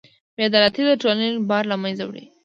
بېعدالتي د ټولنې باور له منځه وړي.